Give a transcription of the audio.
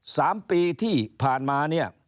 สามปีที่ผ่านมาเนี่ย